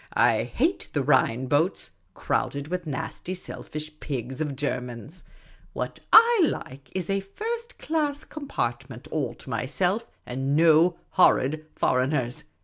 I hate the Rhine boats, crowded with nasty selfish pigs of Germans. What /like is a first class compartment all to myself, and no horrid foreigners.